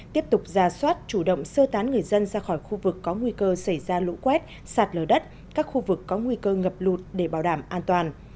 tiếp tục ra soát chủ động sơ tán người dân ra khỏi khu vực có nguy cơ xảy ra lũ quét sạt lở đất các khu vực có nguy cơ ngập lụt để bảo đảm an toàn